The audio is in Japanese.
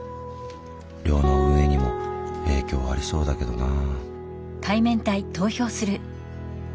寮の運営にも影響ありそうだけどな。